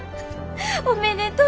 おめでとう！